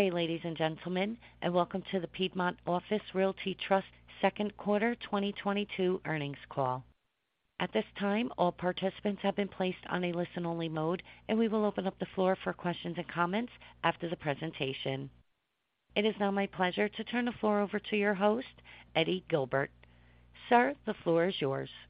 Good day, ladies and gentlemen, and welcome to the Piedmont Office Realty Trust second quarter 2022 earnings call. At this time, all participants have been placed on a listen-only mode, and we will open up the floor for questions and comments after the presentation. It is now my pleasure to turn the floor over to your host, Eddie Guilbert. Sir, the floor is yours. Thank you,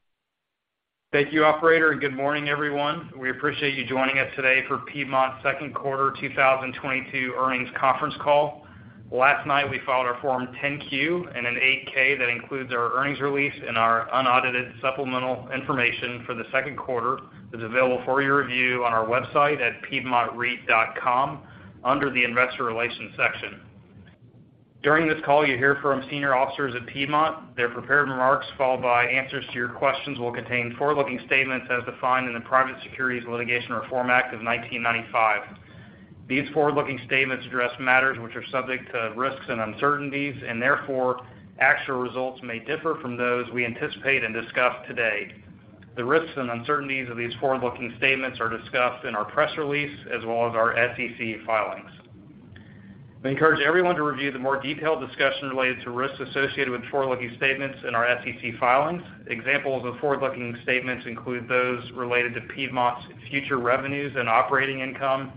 operator, and good morning, everyone. We appreciate you joining us today for Piedmont's second quarter 2022 earnings conference call. Last night, we filed our Form 10-Q and an 8-K that includes our earnings release and our unaudited supplemental information for the second quarter that's available for your review on our website at piedmontreit.com under the Investor Relations section. During this call, you'll hear from senior officers at Piedmont. Their prepared remarks, followed by answers to your questions, will contain forward-looking statements as defined in the Private Securities Litigation Reform Act of 1995. These forward-looking statements address matters which are subject to risks and uncertainties, and therefore, actual results may differ from those we anticipate and discuss today. The risks and uncertainties of these forward-looking statements are discussed in our press release as well as our SEC filings. We encourage everyone to review the more detailed discussion related to risks associated with forward-looking statements in our SEC filings. Examples of forward-looking statements include those related to Piedmont's future revenues and operating income,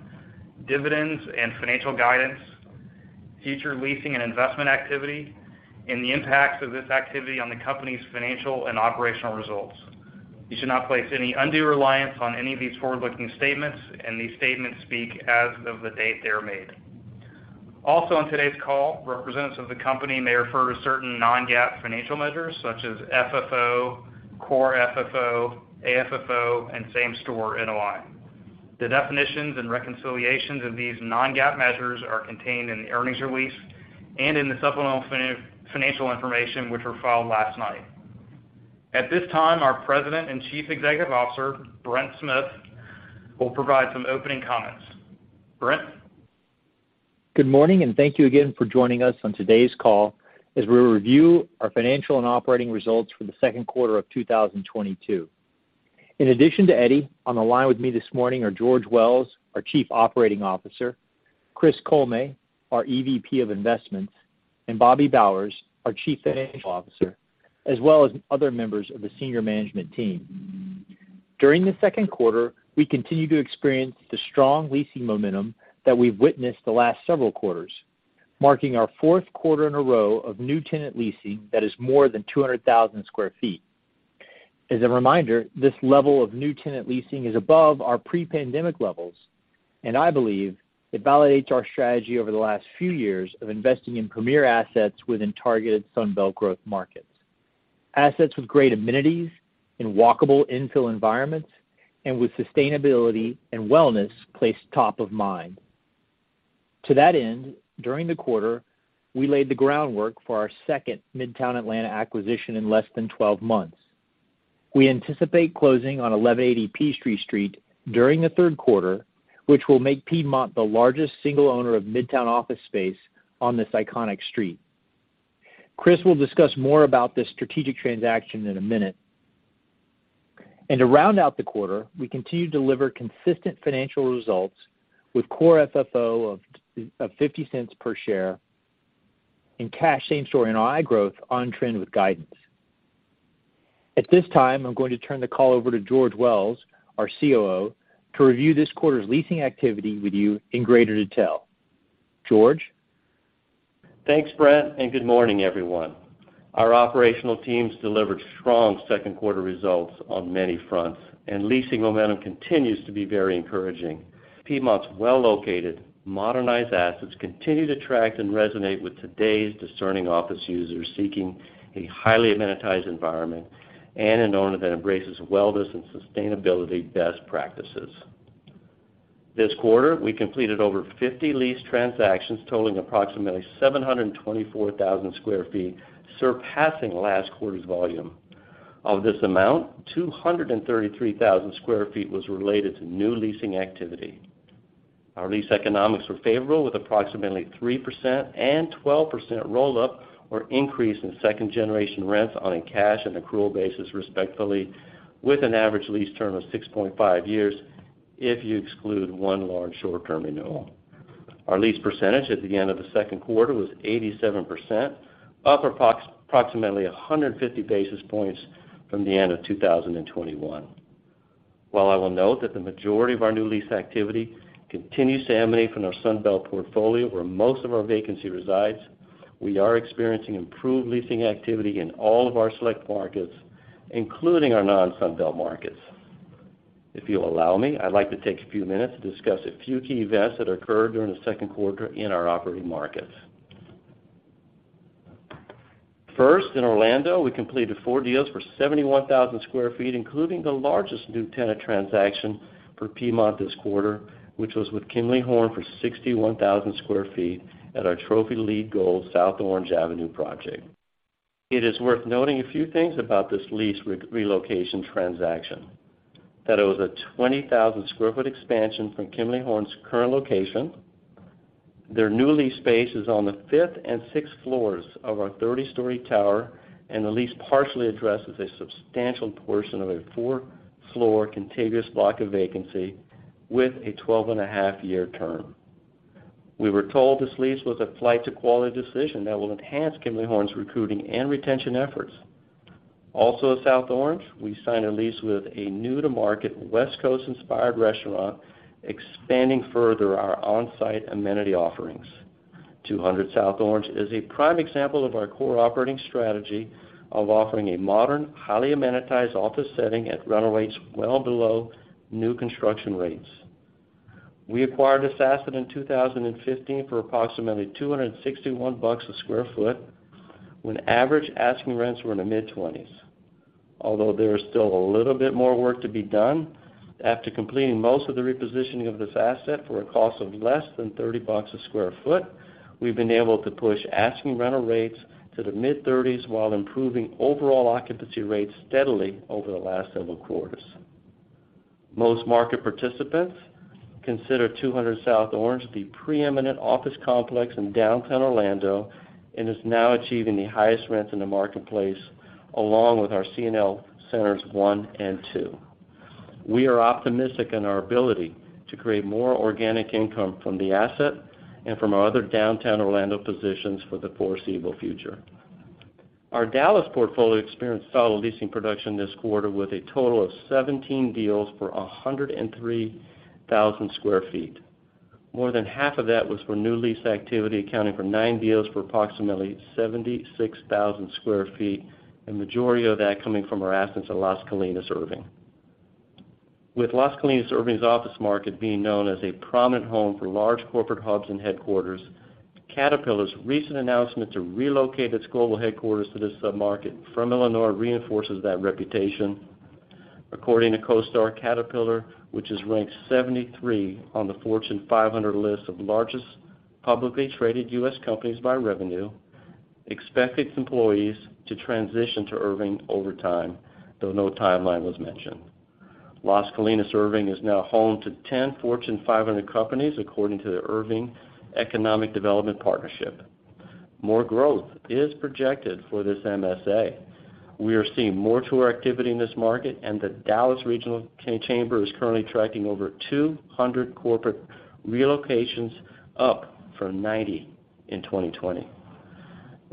dividends and financial guidance, future leasing and investment activity, and the impacts of this activity on the company's financial and operational results. You should not place any undue reliance on any of these forward-looking statements, and these statements speak as of the date they are made. Also on today's call, representatives of the company may refer to certain non-GAAP financial measures such as FFO, Core FFO, AFFO, and Same-Store NOI. The definitions and reconciliations of these non-GAAP measures are contained in the earnings release and in the supplemental financial information which were filed last night. At this time, our President and Chief Executive Officer, C. Brent Smith, will provide some opening comments. Brent? Good morning, and thank you again for joining us on today's call as we review our financial and operating results for the second quarter of 2022. In addition to Eddie, on the line with me this morning are George Wells, our Chief Operating Officer, Chris Kollme, our EVP of Investments, and Bobby Bowers, our Chief Financial Officer, as well as other members of the senior management team. During the second quarter, we continued to experience the strong leasing momentum that we've witnessed the last several quarters, marking our fourth quarter in a row of new tenant leasing that is more than 200,000 sq ft. As a reminder, this level of new tenant leasing is above our pre-pandemic levels, and I believe it validates our strategy over the last few years of investing in premier assets within targeted Sun Belt growth markets. Assets with great amenities and walkable infill environments and with sustainability and wellness placed top of mind. To that end, during the quarter, we laid the groundwork for our second midtown Atlanta acquisition in less than 12 months. We anticipate closing on 1180 Peachtree Street during the third quarter, which will make Piedmont the largest single owner of midtown office space on this iconic street. Chris will discuss more about this strategic transaction in a minute. To round out the quarter, we continue to deliver consistent financial results with Core FFO of $0.50 per share and cash Same-Store NOI growth on trend with guidance. At this time, I'm going to turn the call over to George Wells, our COO, to review this quarter's leasing activity with you in greater detail. George? Thanks, Brent, and good morning, everyone. Our operational teams delivered strong second quarter results on many fronts, and leasing momentum continues to be very encouraging. Piedmont's well-located, modernized assets continue to attract and resonate with today's discerning office users seeking a highly amenitized environment and an owner that embraces wellness and sustainability best practices. This quarter, we completed over 50 lease transactions totaling approximately 724,000 sq ft, surpassing last quarter's volume. Of this amount, 233,000 sq ft was related to new leasing activity. Our lease economics were favorable with approximately 3% and 12% roll-up or increase in second-generation rents on a cash and accrual basis, respectively, with an average lease term of 6.5 years if you exclude one large short-term renewal. Our lease percentage at the end of the second quarter was 87%, up approximately 150 basis points from the end of 2021. While I will note that the majority of our new lease activity continues to emanate from our Sun Belt portfolio, where most of our vacancy resides, we are experiencing improved leasing activity in all of our select markets, including our non-Sun Belt markets. If you'll allow me, I'd like to take a few minutes to discuss a few key events that occurred during the second quarter in our operating markets. First, in Orlando, we completed four deals for 71,000 sq ft, including the largest new tenant transaction for Piedmont this quarter, which was with Kimley-Horn for 61,000 sq ft at our trophy LEED Gold South Orange Avenue project. It is worth noting a few things about this lease relocation transaction, that it was a 20,000 sq ft expansion from Kimley-Horn's current location. Their new lease space is on the fifth and sixth floors of our 30-story tower, and the lease partially addresses a substantial portion of a four-floor contiguous block of vacancy with a 12.5-year term. We were told this lease was a flight to quality decision that will enhance Kimley-Horn's recruiting and retention efforts. Also at South Orange, we signed a lease with a new-to-market West Coast inspired restaurant, expanding further our on-site amenity offerings. 200 South Orange is a prime example of our core operating strategy of offering a modern, highly amenitized office setting at rental rates well below new construction rates. We acquired this asset in 2015 for approximately $261 a sq ft when average asking rents were in the mid-20s. Although there is still a little bit more work to be done, after completing most of the repositioning of this asset for a cost of less than $30 a sq ft, we've been able to push asking rental rates to the mid-30s while improving overall occupancy rates steadily over the last several quarters. Most market participants consider 200 South Orange the preeminent office complex in downtown Orlando and is now achieving the highest rents in the marketplace, along with our CNL Centers I and II. We are optimistic in our ability to create more organic income from the asset and from our other downtown Orlando positions for the foreseeable future. Our Dallas portfolio experienced solid leasing production this quarter, with a total of 17 deals for 103,000 sq ft. More than half of that was for new lease activity, accounting for nine deals for approximately 76,000 sq ft, and majority of that coming from our assets at Las Colinas Irving. Las Colinas Irving's office market being known as a prominent home for large corporate hubs and headquarters, Caterpillar's recent announcement to relocate its global headquarters to this sub-market from Illinois reinforces that reputation. According to CoStar, Caterpillar, which is ranked 73 on the Fortune 500 list of largest publicly traded U.S. companies by revenue, expect its employees to transition to Irving over time, though no timeline was mentioned. Las Colinas Irving is now home to 10 Fortune 500 companies, according to the Irving Economic Development Partnership. More growth is projected for this MSA. We are seeing more tour activity in this market, and the Dallas Regional Chamber is currently tracking over 200 corporate relocations, up from 90 in 2020.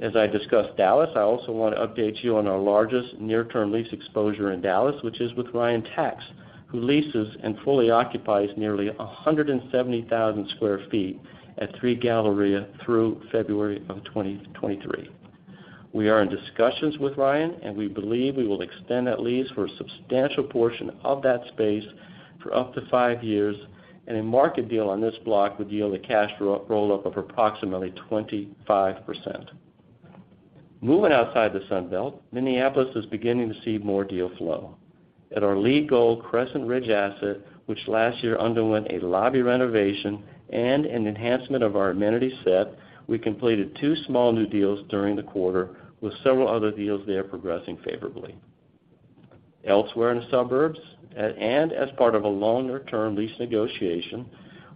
As I discuss Dallas, I also want to update you on our largest near-term lease exposure in Dallas, which is with Ryan, who leases and fully occupies nearly 170,000 sq ft at Three Galleria through February 2023. We are in discussions with Ryan, and we believe we will extend that lease for a substantial portion of that space for up to five years. A market deal on this block would yield a cash rollover of approximately 25%. Moving outside the Sun Belt, Minneapolis is beginning to see more deal flow. At our LEED Gold Crescent Ridge asset, which last year underwent a lobby renovation and an enhancement of our amenity set, we completed two small new deals during the quarter, with several other deals there progressing favorably. Elsewhere in the suburbs, and as part of a longer-term lease negotiation,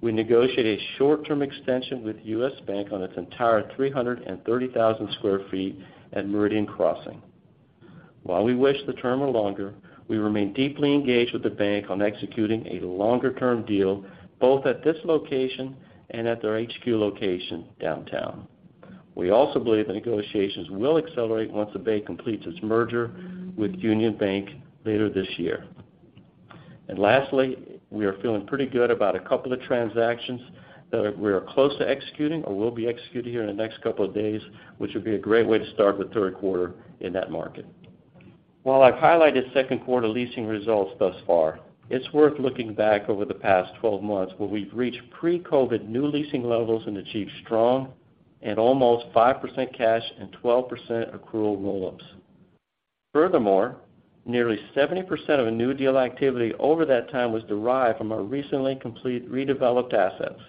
we negotiated a short-term extension with U.S. Bank on its entire 330,000 sq ft at Meridian Crossing. While we wish the term were longer, we remain deeply engaged with the bank on executing a longer-term deal, both at this location and at their HQ location downtown. We also believe the negotiations will accelerate once the bank completes its merger with Union Bank later this year. Lastly, we are feeling pretty good about a couple of transactions that we are close to executing or will be executing here in the next couple of days, which would be a great way to start the third quarter in that market. While I've highlighted second quarter leasing results thus far, it's worth looking back over the past 12 months where we've reached pre-COVID new leasing levels and achieved strong and almost 5% cash and 12% accrual roll-ups. Furthermore, nearly 70% of new deal activity over that time was derived from our recently completed redeveloped assets.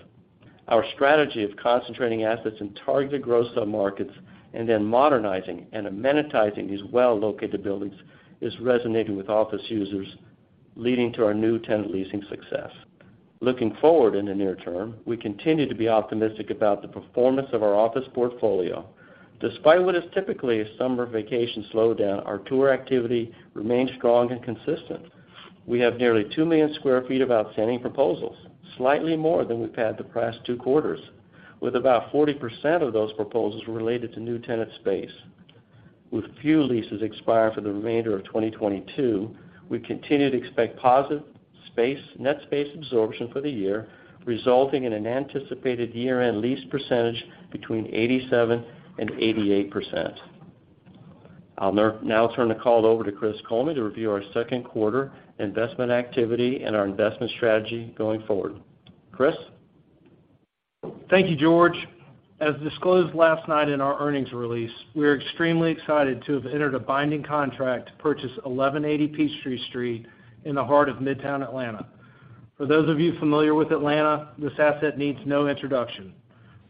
Our strategy of concentrating assets in targeted growth sub-markets and then modernizing and amenitizing these well-located buildings is resonating with office users, leading to our new tenant leasing success. Looking forward in the near term, we continue to be optimistic about the performance of our office portfolio. Despite what is typically a summer vacation slowdown, our tour activity remains strong and consistent. We have nearly 2 million sq ft of outstanding proposals, slightly more than we've had the past two quarters, with about 40% of those proposals related to new tenant space. With few leases expired for the remainder of 2022, we continue to expect positive net space absorption for the year, resulting in an anticipated year-end lease percentage between 87% and 88%. I'll now turn the call over to Chris Kollme to review our second quarter investment activity and our investment strategy going forward. Chris? Thank you, George. As disclosed last night in our earnings release, we are extremely excited to have entered a binding contract to purchase 1180 Peachtree Street in the heart of Midtown Atlanta. For those of you familiar with Atlanta, this asset needs no introduction.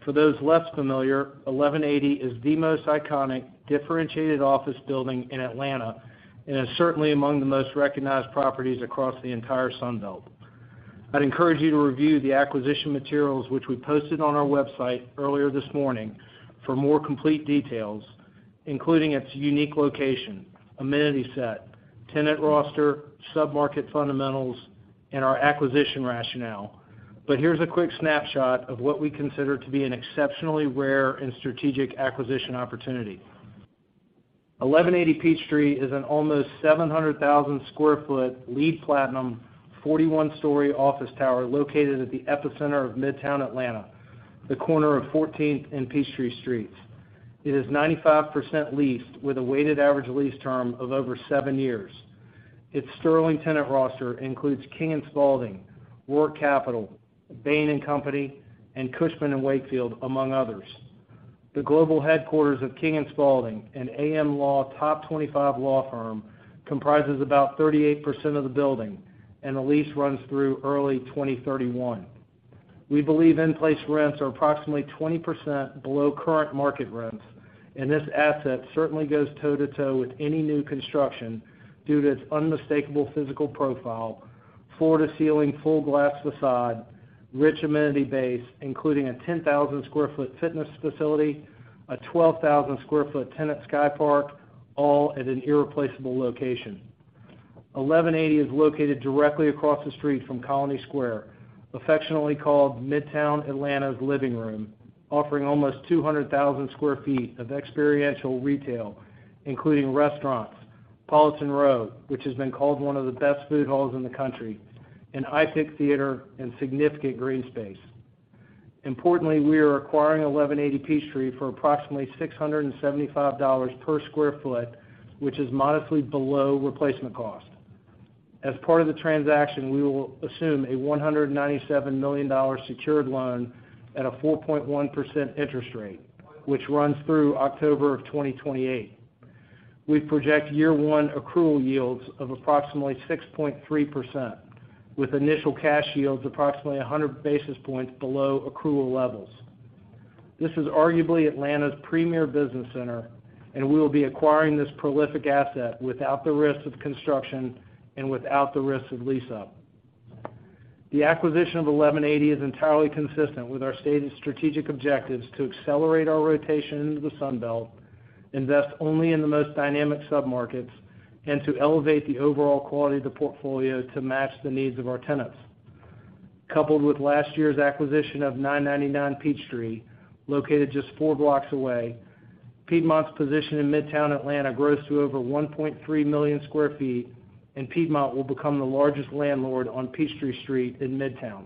For those less familiar, 1180 is the most iconic, differentiated office building in Atlanta, and is certainly among the most recognized properties across the entire Sun Belt. I'd encourage you to review the acquisition materials which we posted on our website earlier this morning for more complete details, including its unique location, amenity set, tenant roster, sub-market fundamentals, and our acquisition rationale. Here's a quick snapshot of what we consider to be an exceptionally rare and strategic acquisition opportunity. 1180 Peachtree is an almost 700,000 sq ft LEED Platinum 41-story office tower located at the epicenter of Midtown Atlanta, the corner of 14th and Peachtree Streets. It is 95% leased with a weighted average lease term of over seven years. Its sterling tenant roster includes King & Spalding, Roark Capital, Bain & Company, and Cushman & Wakefield, among others. The global headquarters of King & Spalding, an Am Law top 25 law firm, comprises about 38% of the building, and the lease runs through early 2031. We believe in-place rents are approximately 20% below current market rents, and this asset certainly goes toe-to-toe with any new construction due to its unmistakable physical profile, floor to ceiling full glass facade, rich amenity base, including a 10,000 sq ft fitness facility, a 12,000 sq ft tenant sky park, all at an irreplaceable location. 1180 is located directly across the street from Colony Square, affectionately called Midtown Atlanta's living room, offering almost 200,000 sq ft of experiential retail, including restaurants, Politan Row, which has been called one of the best food halls in the country, an iPic Theaters, and significant green space. Importantly, we are acquiring 1180 Peachtree for approximately $675 per sq ft, which is modestly below replacement cost. As part of the transaction, we will assume a $197 million secured loan at a 4.1% interest rate, which runs through October of 2028. We project year one accrual yields of approximately 6.3% with initial cash yields approximately 100 basis points below accrual levels. This is arguably Atlanta's premier business center, and we will be acquiring this prolific asset without the risk of construction and without the risk of lease-up. The acquisition of 1180 is entirely consistent with our stated strategic objectives to accelerate our rotation into the Sun Belt, invest only in the most dynamic submarkets, and to elevate the overall quality of the portfolio to match the needs of our tenants. Coupled with last year's acquisition of 999 Peachtree, located just 4 blocks away, Piedmont's position in Midtown Atlanta grows to over 1.3 million sq ft, and Piedmont will become the largest landlord on Peachtree Street in Midtown,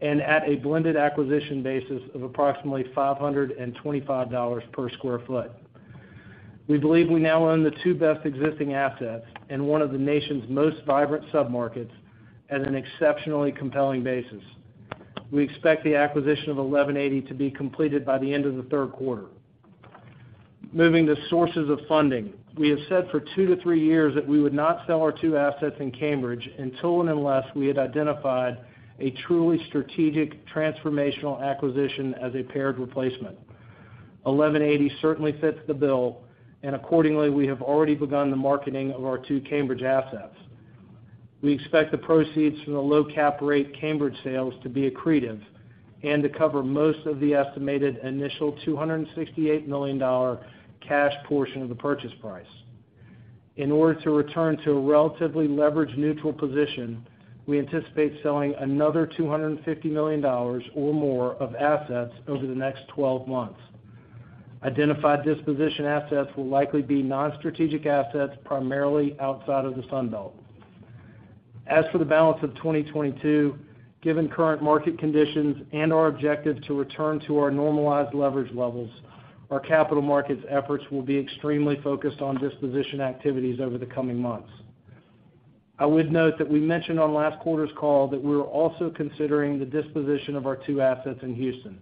and at a blended acquisition basis of approximately $525 per sq ft. We believe we now own the two best existing assets in one of the nation's most vibrant submarkets at an exceptionally compelling basis. We expect the acquisition of 1180 to be completed by the end of the third quarter. Moving to sources of funding. We have said for two to three years that we would not sell our two assets in Cambridge until and unless we had identified a truly strategic transformational acquisition as a paired replacement. 11.80 certainly fits the bill, and accordingly, we have already begun the marketing of our two Cambridge assets. We expect the proceeds from the low cap rate Cambridge sales to be accretive and to cover most of the estimated initial $268 million cash portion of the purchase price. In order to return to a relatively leverage neutral position, we anticipate selling another $250 million or more of assets over the next 12 months. Identified disposition assets will likely be non-strategic assets primarily outside of the Sun Belt. As for the balance of 2022, given current market conditions and our objective to return to our normalized leverage levels, our capital markets efforts will be extremely focused on disposition activities over the coming months. I would note that we mentioned on last quarter's call that we were also considering the disposition of our two assets in Houston.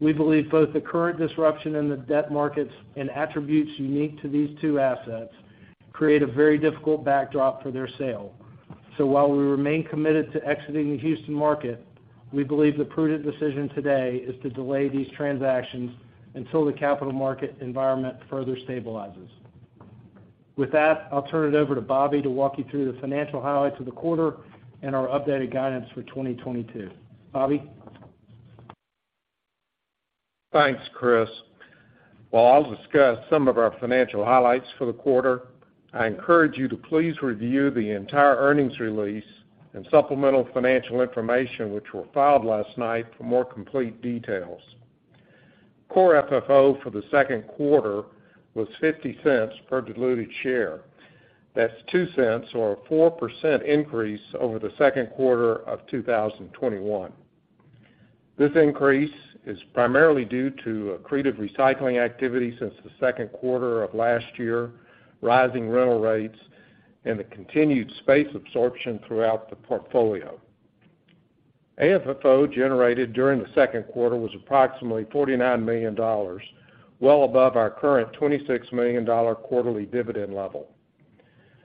We believe both the current disruption in the debt markets and attributes unique to these two assets create a very difficult backdrop for their sale. While we remain committed to exiting the Houston market, we believe the prudent decision today is to delay these transactions until the capital market environment further stabilizes. With that, I'll turn it over to Bobby to walk you through the financial highlights of the quarter and our updated guidance for 2022. Bobby? Thanks, Chris. While I'll discuss some of our financial highlights for the quarter, I encourage you to please review the entire earnings release and supplemental financial information which were filed last night for more complete details. Core FFO for the second quarter was $0.50 per diluted share. That's $0.02 or a 4% increase over the second quarter of 2021. This increase is primarily due to accretive recycling activity since the second quarter of last year, rising rental rates, and the continued space absorption throughout the portfolio. AFFO generated during the second quarter was approximately $49 million, well above our current $26 million quarterly dividend level.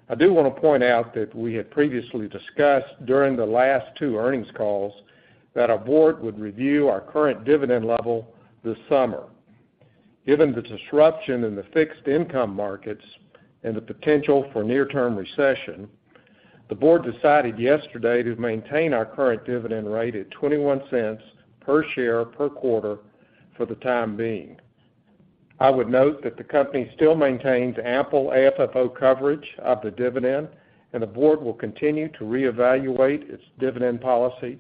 I do wanna point out that we had previously discussed during the last two earnings calls that our board would review our current dividend level this summer. Given the disruption in the fixed income markets and the potential for near-term recession, the board decided yesterday to maintain our current dividend rate at $0.21 per share per quarter for the time being. I would note that the company still maintains ample AFFO coverage of the dividend, and the board will continue to reevaluate its dividend policy,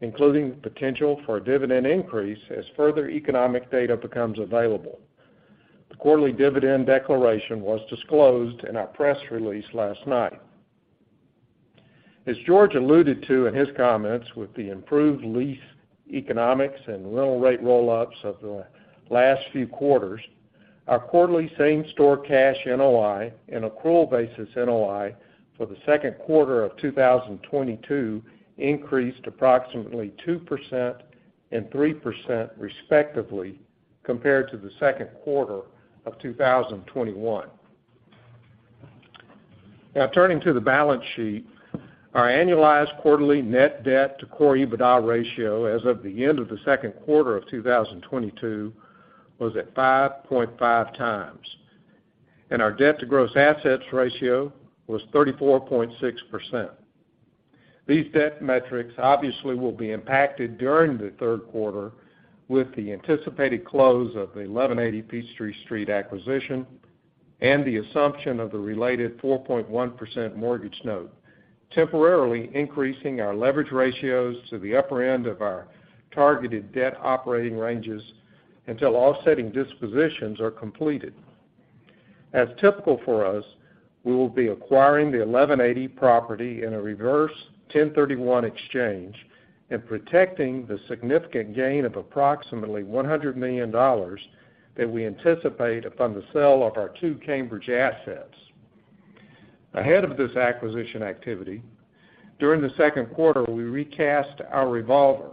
including the potential for a dividend increase as further economic data becomes available. The quarterly dividend declaration was disclosed in our press release last night. As George alluded to in his comments, with the improved lease economics and rental rate roll-ups of the last few quarters, our quarterly same-store cash NOI and accrual basis NOI for the second quarter of 2022 increased approximately 2% and 3% respectively compared to the second quarter of 2021. Now turning to the balance sheet, our annualized quarterly net debt to core EBITDA ratio as of the end of the second quarter of 2022 was at 5.5x, and our debt to gross assets ratio was 34.6%. These debt metrics obviously will be impacted during the third quarter with the anticipated close of the 1180 Peachtree Street acquisition and the assumption of the related 4.1% mortgage note, temporarily increasing our leverage ratios to the upper end of our targeted debt operating ranges until offsetting dispositions are completed. As typical for us, we will be acquiring the 1180 property in a reverse 1031 exchange and protecting the significant gain of approximately $100 million that we anticipate upon the sale of our two Cambridge assets. Ahead of this acquisition activity, during the second quarter, we recast our revolver,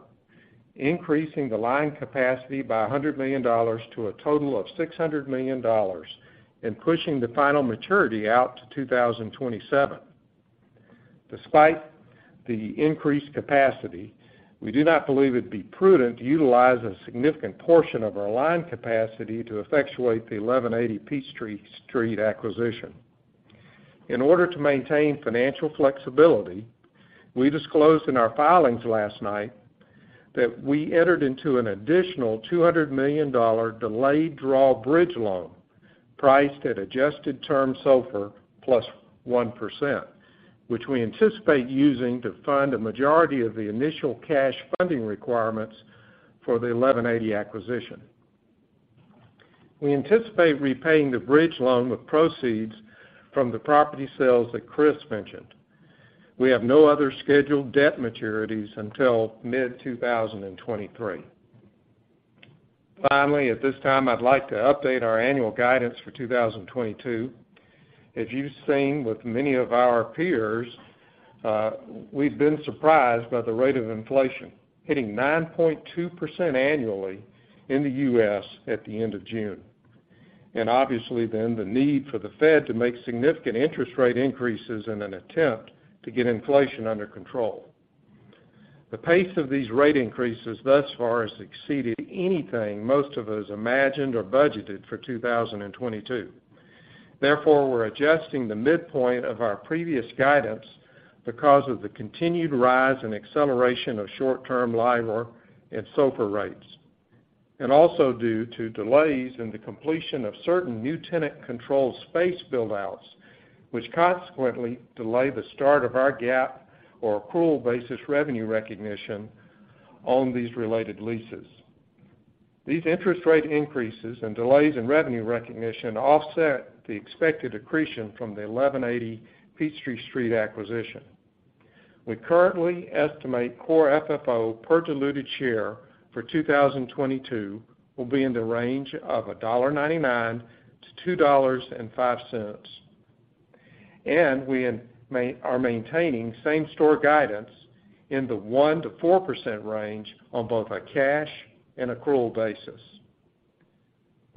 increasing the line capacity by $100 million to a total of $600 million and pushing the final maturity out to 2027. Despite the increased capacity, we do not believe it'd be prudent to utilize a significant portion of our line capacity to effectuate the 1180 Peachtree Street acquisition. In order to maintain financial flexibility, we disclosed in our filings last night that we entered into an additional $200 million delayed draw bridge loan priced at adjusted term SOFR plus 1%, which we anticipate using to fund a majority of the initial cash funding requirements for the 1180 acquisition. We anticipate repaying the bridge loan with proceeds from the property sales that Chris mentioned. We have no other scheduled debt maturities until mid-2023. Finally, at this time, I'd like to update our annual guidance for 2022. As you've seen with many of our peers, we've been surprised by the rate of inflation, hitting 9.2% annually in the U.S. at the end of June. Obviously, the need for the Fed to make significant interest rate increases in an attempt to get inflation under control. The pace of these rate increases thus far has exceeded anything most of us imagined or budgeted for 2022. Therefore, we're adjusting the midpoint of our previous guidance because of the continued rise and acceleration of short-term LIBOR and SOFR rates, and also due to delays in the completion of certain new tenant-controlled space build-outs, which consequently delay the start of our GAAP or accrual basis revenue recognition on these related leases. These interest rate increases and delays in revenue recognition offset the expected accretion from the 1180 Peachtree Street acquisition. We currently estimate Core FFO per diluted share for 2022 will be in the range of $1.99-$2.05. We are maintaining same-store guidance in the 1%-4% range on both a cash and accrual basis.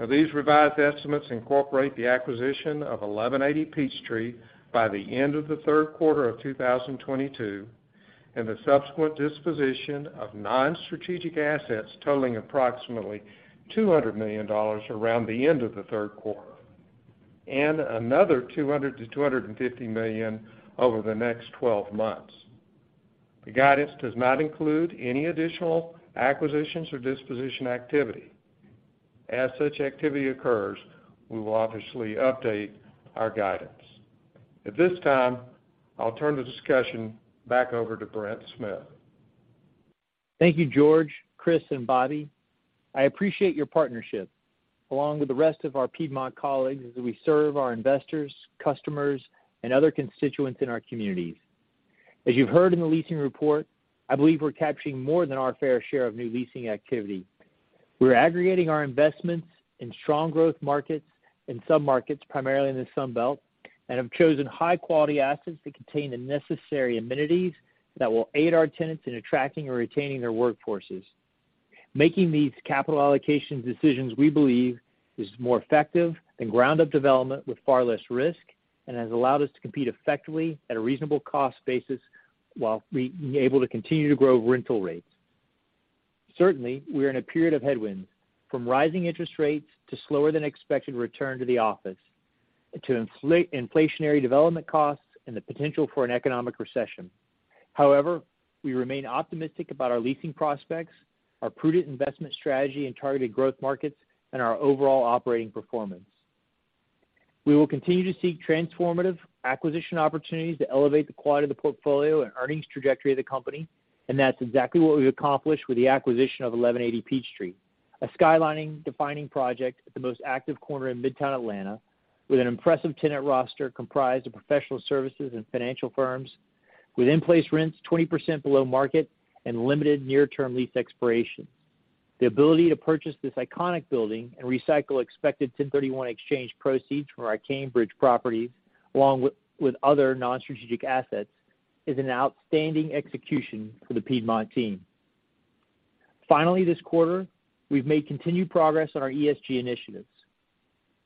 These revised estimates incorporate the acquisition of 1180 Peachtree by the end of the third quarter of 2022, and the subsequent disposition of non-strategic assets totaling approximately $200 million around the end of the third quarter, and another $200 million-$250 million over the next twelve months. The guidance does not include any additional acquisitions or disposition activity. As such activity occurs, we will obviously update our guidance. At this time, I'll turn the discussion back over to Brent Smith. Thank you, George, Chris, and Bobby. I appreciate your partnership along with the rest of our Piedmont colleagues as we serve our investors, customers, and other constituents in our communities. As you've heard in the leasing report, I believe we're capturing more than our fair share of new leasing activity. We're aggregating our investments in strong growth markets and submarkets, primarily in the Sun Belt, and have chosen high quality assets that contain the necessary amenities that will aid our tenants in attracting or retaining their workforces. Making these capital allocation decisions, we believe, is more effective than ground-up development with far less risk and has allowed us to compete effectively at a reasonable cost basis while being able to continue to grow rental rates. Certainly, we are in a period of headwinds, from rising interest rates to slower than expected return to the office, to inflationary development costs and the potential for an economic recession. However, we remain optimistic about our leasing prospects, our prudent investment strategy and targeted growth markets, and our overall operating performance. We will continue to seek transformative acquisition opportunities to elevate the quality of the portfolio and earnings trajectory of the company, and that's exactly what we've accomplished with the acquisition of 1180 Peachtree. A skyline-defining project at the most active corner in Midtown Atlanta, with an impressive tenant roster comprised of professional services and financial firms, with in-place rents 20% below market and limited near-term lease expirations. The ability to purchase this iconic building and recycle expected 1031 exchange proceeds from our Cambridge properties, along with other non-strategic assets, is an outstanding execution for the Piedmont team. Finally, this quarter, we've made continued progress on our ESG initiatives.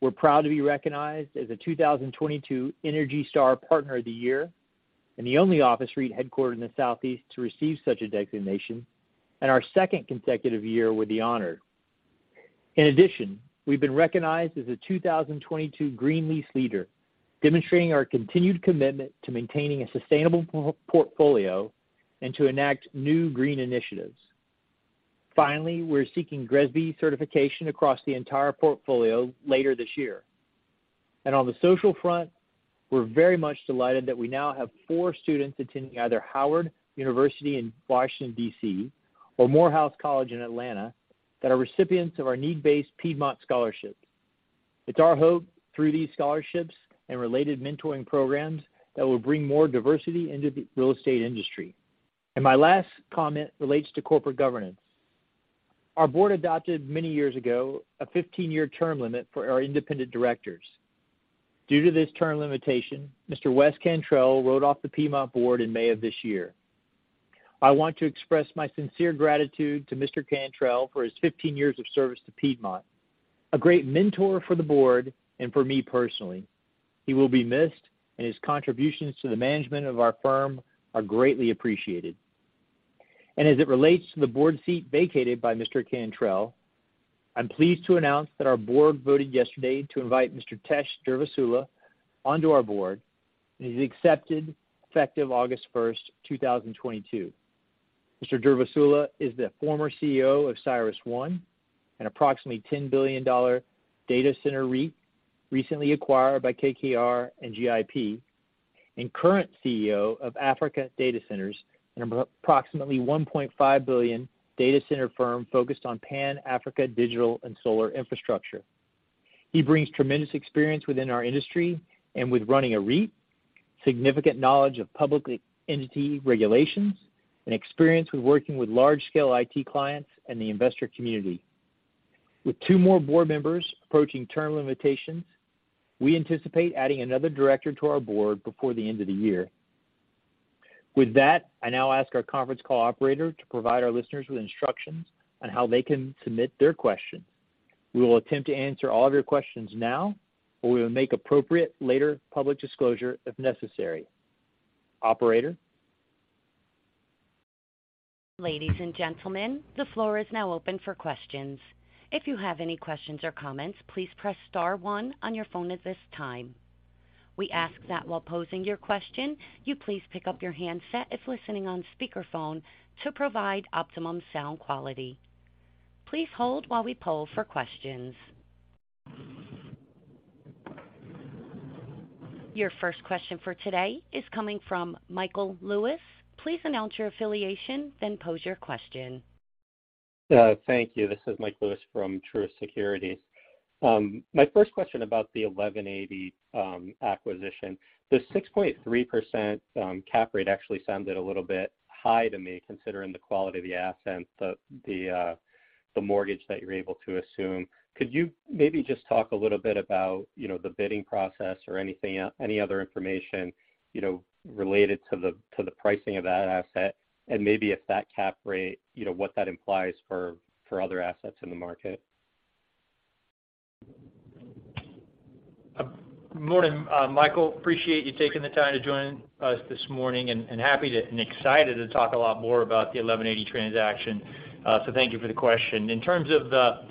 We're proud to be recognized as a 2022 ENERGY STAR Partner of the Year, and the only office REIT headquartered in the Southeast to receive such a designation, and our second consecutive year with the honor. In addition, we've been recognized as a 2022 Green Lease Leader, demonstrating our continued commitment to maintaining a sustainable portfolio and to enact new green initiatives. Finally, we're seeking GRESB certification across the entire portfolio later this year. On the social front, we're very much delighted that we now have four students attending either Howard University in Washington, D.C., or Morehouse College in Atlanta, that are recipients of our need-based Piedmont Scholarship. It's our hope through these scholarships and related mentoring programs that will bring more diversity into the real estate industry. My last comment relates to corporate governance. Our board adopted many years ago a 15-year term limit for our independent directors. Due to this term limitation, Mr. Wes Cantrell rolled off the Piedmont board in May of this year. I want to express my sincere gratitude to Mr. Cantrell for his 15 years of service to Piedmont, a great mentor for the board and for me personally. He will be missed, and his contributions to the management of our firm are greatly appreciated. As it relates to the board seat vacated by Mr. Cantrell, I'm pleased to announce that our board voted yesterday to invite Mr. Venkatesh S. Durvasula onto our board, and he's accepted effective August 1st, 2022. Mr. Durvasula is the former CEO of CyrusOne, an approximately $10 billion data center REIT recently acquired by KKR and GIP, and current CEO of Africa Data Centres, an approximately $1.5 billion data center firm focused on Pan-Africa digital and solar infrastructure. He brings tremendous experience within our industry and with running a REIT, significant knowledge of public entity regulations and experience with working with large-scale IT clients and the investor community. With two more board members approaching term limits, we anticipate adding another director to our board before the end of the year. With that, I now ask our conference call operator to provide our listeners with instructions on how they can submit their questions. We will attempt to answer all of your questions now, or we will make appropriate later public disclosure if necessary. Operator? Ladies and gentlemen, the floor is now open for questions. If you have any questions or comments, please press star one on your phone at this time. We ask that while posing your question, you please pick up your handset if listening on speakerphone to provide optimum sound quality. Please hold while we poll for questions. Your first question for today is coming from Michael Lewis. Please announce your affiliation, then pose your question. Thank you. This is Michael Lewis from Truist Securities. My first question about the 1180 acquisition. The 6.3% cap rate actually sounded a little bit high to me, considering the quality of the assets, the mortgage that you're able to assume. Could you maybe just talk a little bit about, you know, the bidding process or any other information, you know, related to the pricing of that asset? Maybe if that cap rate, you know, what that implies for other assets in the market. Morning, Michael. Appreciate you taking the time to join us this morning and happy and excited to talk a lot more about the 1180 transaction, so thank you for the question. In terms of the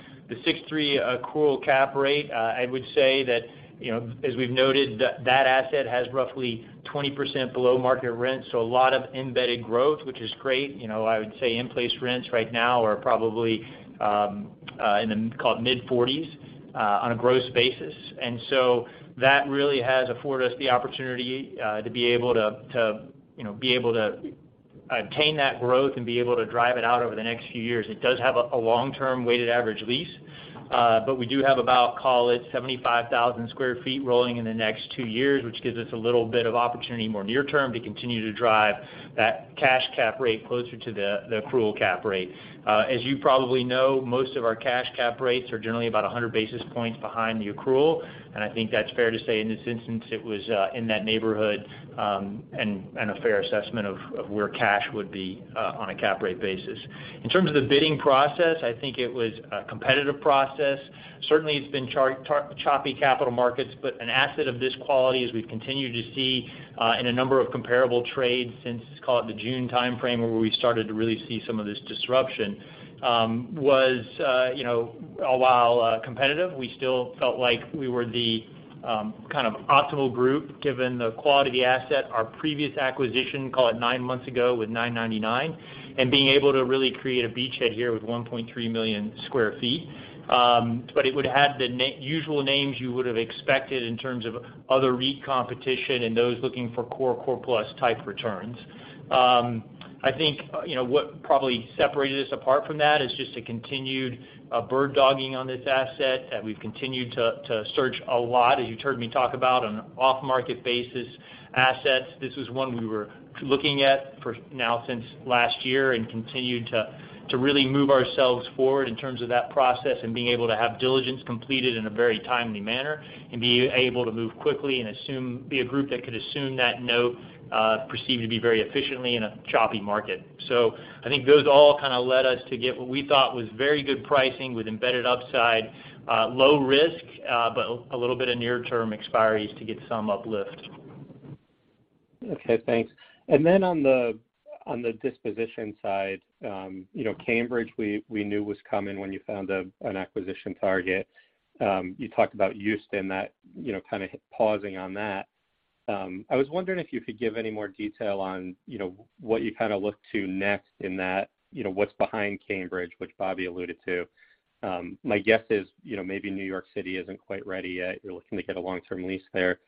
6.3% cap rate, I would say that, you know, as we've noted, that asset has roughly 20% below market rent, so a lot of embedded growth, which is great. You know, I would say in-place rents right now are probably in the call it mid-40%s on a gross basis. That really has afforded us the opportunity to be able to obtain that growth and be able to drive it out over the next few years. It does have a long-term weighted average lease. We do have about, call it, 75,000 sq ft rolling in the next two years, which gives us a little bit of opportunity more near term to continue to drive that cash cap rate closer to the accrual cap rate. As you probably know, most of our cash cap rates are generally about 100 basis points behind the accrual, and I think that's fair to say in this instance, it was in that neighborhood, and a fair assessment of where cash would be on a cap rate basis. In terms of the bidding process, I think it was a competitive process. Certainly, it's been choppy capital markets, but an asset of this quality as we've continued to see in a number of comparable trades since, call it, the June timeframe where we started to really see some of this disruption, was, you know, while competitive, we still felt like we were the kind of optimal group, given the quality of the asset, our previous acquisition, call it nine months ago with 999, and being able to really create a beachhead here with 1.3 million sq ft. But it would have the usual names you would have expected in terms of other REIT competition and those looking for core plus type returns. I think, you know, what probably separated us apart from that is just a continued bird-dogging on this asset that we've continued to search a lot, as you've heard me talk about on off-market basis assets. This was one we were looking at for now since last year and continued to really move ourselves forward in terms of that process and being able to have diligence completed in a very timely manner and be able to move quickly and be a group that could assume that note perceived to be very efficiently in a choppy market. I think those all kind of led us to get what we thought was very good pricing with embedded upside, low risk, but a little bit of near-term expiries to get some uplift. Okay, thanks. Then on the disposition side, you know, Cambridge, we knew was coming when you found an acquisition target. You talked about Houston, that you know kind of hit pause on that. I was wondering if you could give any more detail on, you know, what you kind of look to next in that, you know, what's behind Cambridge, which Bobby alluded to. My guess is, you know, maybe New York City isn't quite ready yet. You're looking to get a long-term lease there.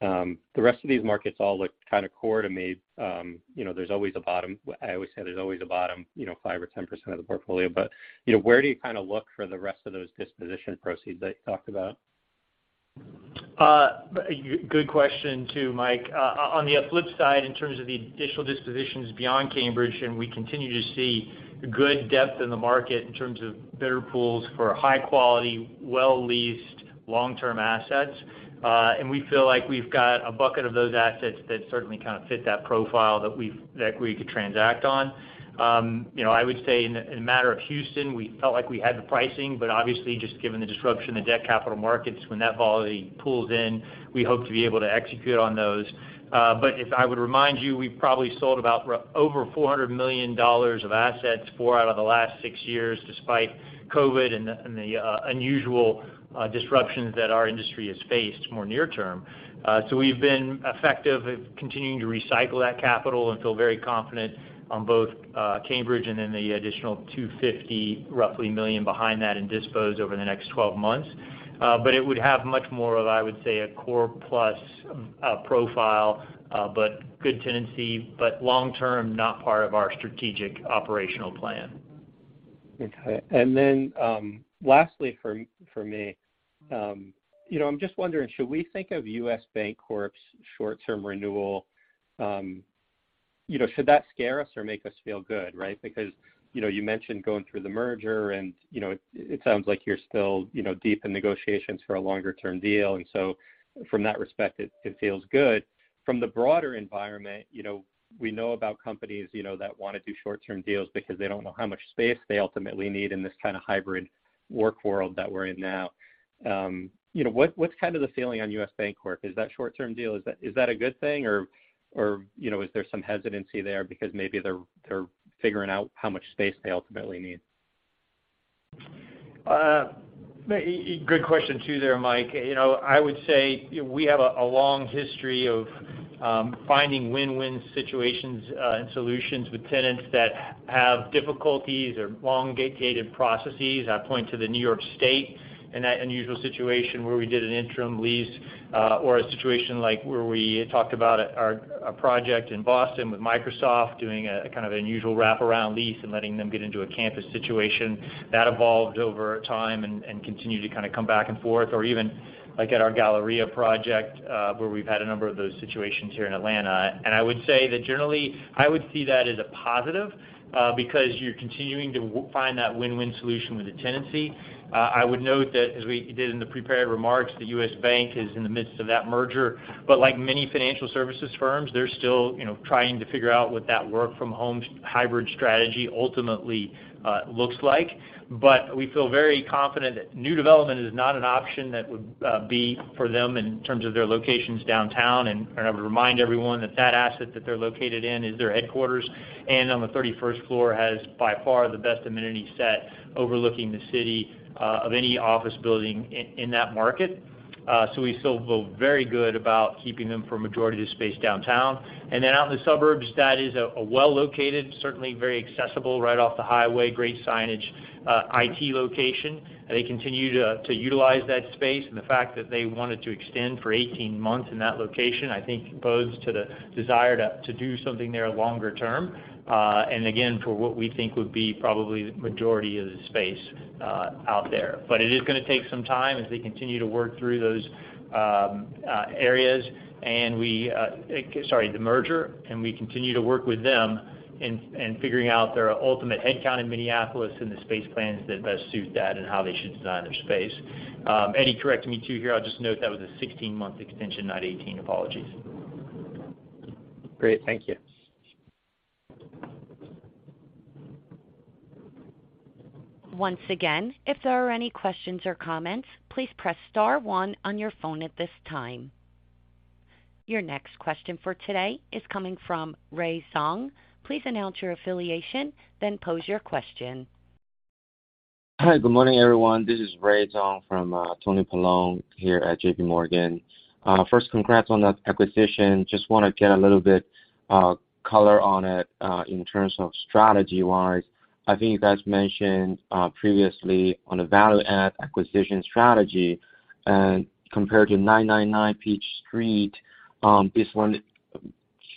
The rest of these markets all look kind of core to me. You know, there's always a bottom. I always say there's always a bottom, you know, 5% or 10% of the portfolio. But you know, where do you kind of look for the rest of those disposition proceeds that you talked about? Good question too, Mike. On the flip side, in terms of the additional dispositions beyond Cambridge, we continue to see good depth in the market in terms of better pools for high quality, well-leased long-term assets. We feel like we've got a bucket of those assets that certainly kind of fit that profile that we could transact on. You know, I would say in a matter of Houston, we felt like we had the pricing, but obviously just given the disruption in the debt capital markets, when that volatility pulls in, we hope to be able to execute on those. If I would remind you, we've probably sold over $400 million of assets four out of the last six years despite COVID and the unusual disruptions that our industry has faced more near term. We've been effective at continuing to recycle that capital and feel very confident on both Cambridge and then the additional roughly $250 million behind that in dispositions over the next twelve months. It would have much more of, I would say, a core-plus profile, but good tenancy, but long-term, not part of our strategic operational plan. Okay. Lastly for me, you know, I'm just wondering, should we think of U.S. Bancorp's short-term renewal, you know, should that scare us or make us feel good, right? Because, you know, you mentioned going through the merger and, you know, it sounds like you're still, you know, deep in negotiations for a longer-term deal. From that respect, it feels good. From the broader environment, you know, we know about companies, you know, that wanna do short-term deals because they don't know how much space they ultimately need in this kind of hybrid work world that we're in now. You know, what's kind of the feeling on U.S. Bancorp? Is that short-term deal a good thing? Is there some hesitancy there because maybe they're figuring out how much space they ultimately need? Good question too there, Mike. You know, I would say we have a long history of finding win-win situations and solutions with tenants that have difficulties or long gated processes. I point to the New York State and that unusual situation where we did an interim lease, or a situation like where we talked about our project in Boston with Microsoft doing a kind of unusual wraparound lease and letting them get into a campus situation. That evolved over time and continued to kind of come back and forth, or even like at our Galleria project, where we've had a number of those situations here in Atlanta. I would say that generally, I would see that as a positive, because you're continuing to find that win-win solution with the tenancy. I would note that as we did in the prepared remarks, the U.S. Bank is in the midst of that merger. Like many financial services firms, they're still, you know, trying to figure out what that work from home hybrid strategy ultimately looks like. We feel very confident that new development is not an option that would be for them in terms of their locations downtown. I would remind everyone that that asset that they're located in is their headquarters. On the thirty-first floor has by far the best amenity set overlooking the city of any office building in that market. We still feel very good about keeping them for a majority of the space downtown. Out in the suburbs, that is a well-located, certainly very accessible, right off the highway, great signage, ideal location. They continue to utilize that space. The fact that they wanted to extend for 18 months in that location, I think bodes to the desire to do something there longer term. Again, for what we think would be probably the majority of the space out there. It is gonna take some time as they continue to work through those areas, and we continue to work with them in figuring out their ultimate headcount in Minneapolis and the space plans that best suit that and how they should design their space. Sorry, the merger. Eddie, correct me too here. I'll just note that was a 16-month extension, not 18. Apologies. Great. Thank you. Once again, if there are any questions or comments, please press star one on your phone at this time. Your next question for today is coming from Ray Zhang. Please announce your affiliation, then pose your question. Hi, good morning, everyone. This is Ray Zhang from, Anthony Paolone here at JPMorgan. First congrats on that acquisition. Just wanna get a little bit, color on it, in terms of strategy-wise. I think you guys mentioned, previously on the value add acquisition strategy and compared to 999 Peachtree Street, this one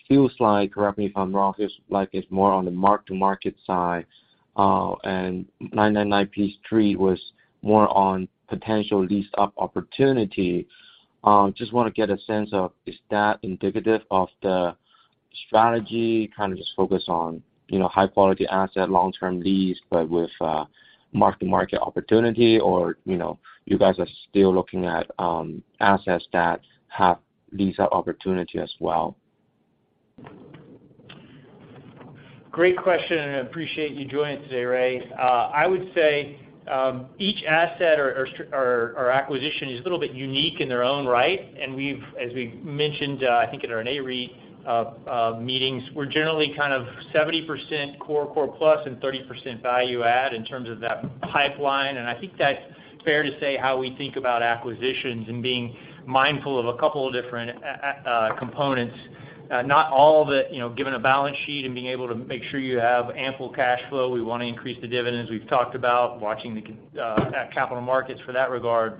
feels like, correct me if I'm wrong, feels like it's more on the mark-to-market side. 999 Peachtree Street was more on potential lease-up opportunity. Just wanna get a sense of, is that indicative of the strategy, kind of just focus on, you know, high-quality asset, long-term lease, but with, mark-to-market opportunity? Or, you know, you guys are still looking at, assets that have lease-up opportunity as well? Great question, and I appreciate you joining today, Ray. I would say each asset or acquisition is a little bit unique in their own right. As we've mentioned, I think in our Nareit meetings, we're generally kind of 70% core plus and 30% value add in terms of that pipeline. I think that's fair to say how we think about acquisitions and being mindful of a couple of different components. Not all of it, you know, given a balance sheet and being able to make sure you have ample cash flow. We wanna increase the dividends. We've talked about watching the capital markets for that regard.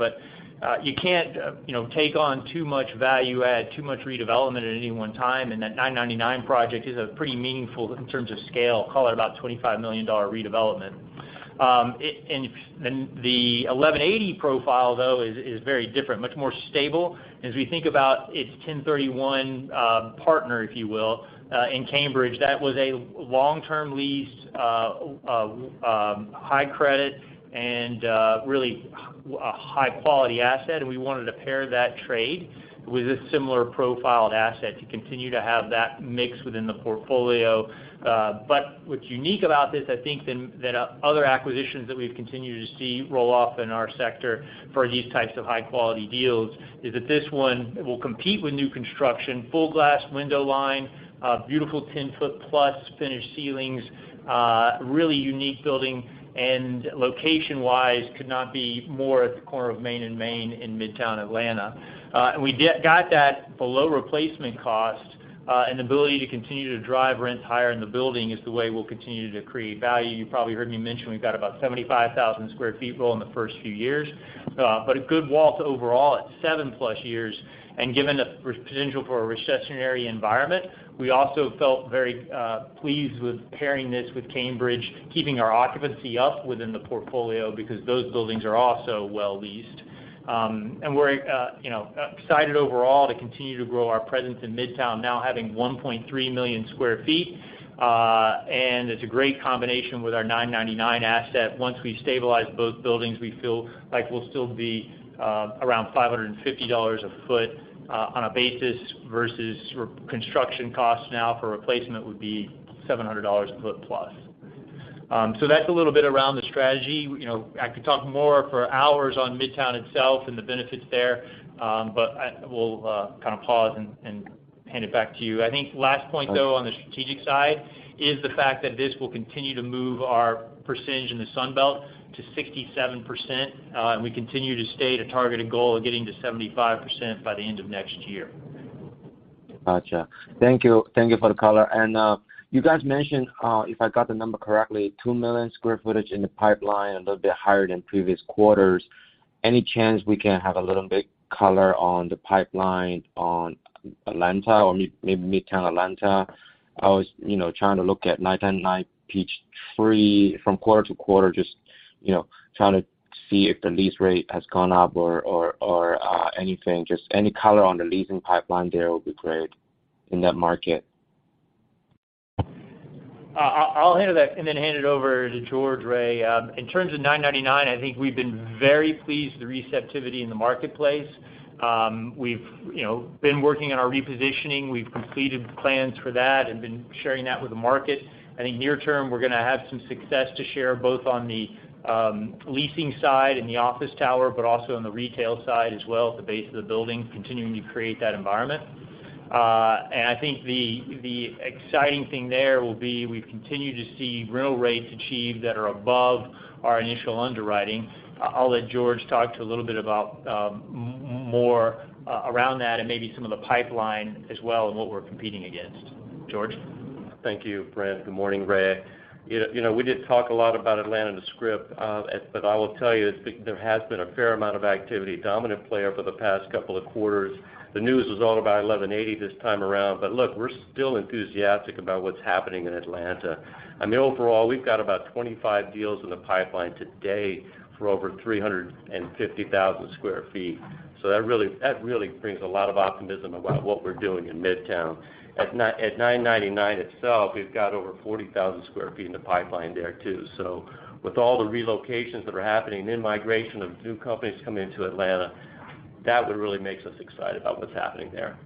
You can't, you know, take on too much value add, too much redevelopment at any one time. That 999 project is pretty meaningful in terms of scale, call it about $25 million redevelopment. It and the 1180 profile, though, is very different, much more stable. As we think about its 1031 partner, if you will, in Cambridge, that was a long-term lease, high credit and really a high-quality asset. We wanted to pair that trade with a similar profiled asset to continue to have that mix within the portfolio. But what's unique about this, I think, than other acquisitions that we've continued to see roll off in our sector for these types of high-quality deals, is that this one will compete with new construction, full glass window line, beautiful 10 ft+ finished ceilings, really unique building. Location-wise, could not be more at the corner of Main and Main in Midtown Atlanta. We got that below replacement cost, and the ability to continue to drive rents higher in the building is the way we'll continue to create value. You probably heard me mention we've got about 75,000 sq ft roll in the first few years. But a good wall to overall at 7+ years. Given the potential for a recessionary environment, we also felt very pleased with pairing this with Cambridge, keeping our occupancy up within the portfolio because those buildings are also well leased. We're, you know, excited overall to continue to grow our presence in Midtown, now having 1.3 million sq ft. It's a great combination with our 999 asset. Once we stabilize both buildings, we feel like we'll still be around $550 a foot on a basis versus reconstruction costs now for replacement would be $700 a foot plus. So that's a little bit around the strategy. You know, I could talk more for hours on Midtown itself and the benefits there, but we'll kind of pause and hand it back to you. I think last point, though, on the strategic side is the fact that this will continue to move our percentage in the Sun Belt to 67%. And we continue to state a targeted goal of getting to 75% by the end of next year. Gotcha. Thank you. Thank you for the color. You guys mentioned, if I got the number correctly, 2 million sq ft in the pipeline, a little bit higher than previous quarters. Any chance we can have a little bit color on the pipeline on Atlanta or maybe Midtown Atlanta? I was, you know, trying to look at 999 Peachtree Street from quarter-to-quarter, just, you know, trying to see if the lease rate has gone up or anything. Just any color on the leasing pipeline there will be great in that market. I'll handle that and then hand it over to George, Ray. In terms of 999, I think we've been very pleased with the receptivity in the marketplace. We've, you know, been working on our repositioning. We've completed plans for that and been sharing that with the market. I think near term, we're gonna have some success to share both on the leasing side in the office tower, but also on the retail side as well at the base of the building, continuing to create that environment. I think the exciting thing there will be we've continued to see rental rates achieved that are above our initial underwriting. I'll let George talk a little bit about more around that and maybe some of the pipeline as well, and what we're competing against. George? Thank you, Brent. Good morning, Ray. You know, we didn't talk a lot about Atlanta script. But I will tell you there has been a fair amount of activity, dominant player for the past couple of quarters. The news was all about 1180 this time around. Look, we're still enthusiastic about what's happening in Atlanta. I mean, overall, we've got about 25 deals in the pipeline today for over 350,000 sq ft. That really brings a lot of optimism about what we're doing in Midtown. At 999 itself, we've got over 40,000 sq ft in the pipeline there too. With all the relocations that are happening, in-migration of new companies coming into Atlanta, that would really makes us excited about what's happening there.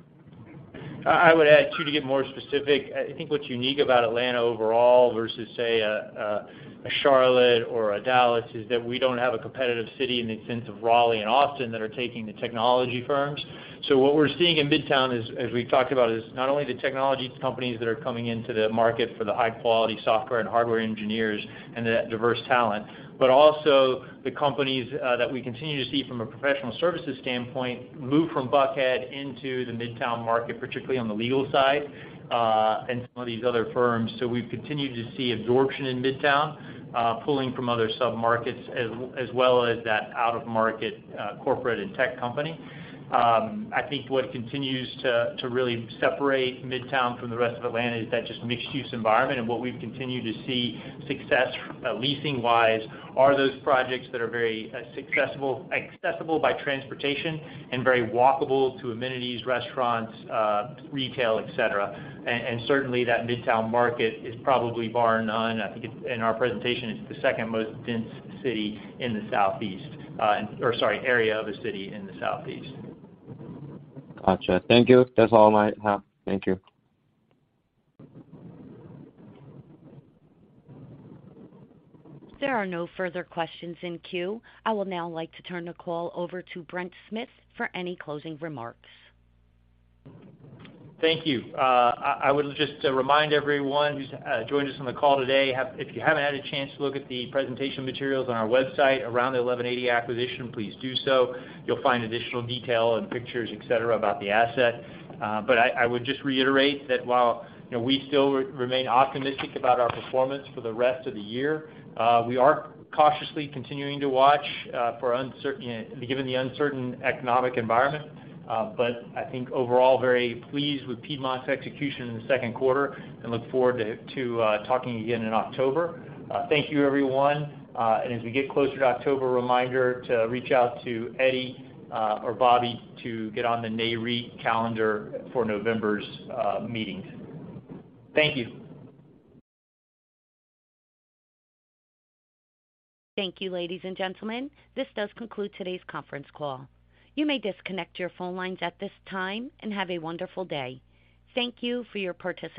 I would add too, to get more specific. I think what's unique about Atlanta overall versus say a Charlotte or a Dallas, is that we don't have a competitive city in the sense of Raleigh and Austin that are taking the technology firms. What we're seeing in Midtown, as we've talked about, is not only the technology companies that are coming into the market for the high-quality software and hardware engineers and that diverse talent, but also the companies that we continue to see from a professional services standpoint, move from Buckhead into the Midtown market, particularly on the legal side, and some of these other firms. We've continued to see absorption in Midtown, pulling from other sub-markets as well as that out of market corporate and tech company. I think what continues to really separate Midtown from the rest of Atlanta is that just mixed use environment. What we've continued to see success leasing wise are those projects that are very accessible by transportation and very walkable to amenities, restaurants, retail, et cetera. Certainly that Midtown market is probably bar none. I think it's in our presentation. It's the second most dense city in the southeast, or sorry, area of a city in the southeast. Gotcha. Thank you. That's all I have. Thank you. There are no further questions in queue. I would now like to turn the call over to Brent Smith for any closing remarks. Thank you. I would just remind everyone who's joined us on the call today, if you haven't had a chance to look at the presentation materials on our website around the 1180 acquisition, please do so. You'll find additional detail and pictures, et cetera, about the asset. I would just reiterate that while you know we still remain optimistic about our performance for the rest of the year, we are cautiously continuing to watch given the uncertain economic environment. I think overall very pleased with Piedmont's execution in the second quarter and look forward to talking again in October. Thank you everyone. As we get closer to October, reminder to reach out to Eddie or Bobby to get on the Nareit calendar for November's meetings. Thank you. Thank you, ladies and gentlemen. This does conclude today's conference call. You may disconnect your phone lines at this time and have a wonderful day. Thank you for your participation.